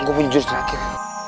gue punya jurusan akhir